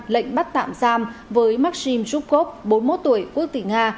lệnh bắt tạm giam với maxim zhukov bốn mươi một tuổi quốc tỷ nga